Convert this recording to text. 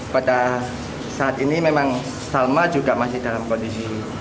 pada saat ini memang salma juga masih dalam kondisi